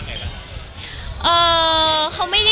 มันคิดว่าจะเป็นรายการหรือไม่มี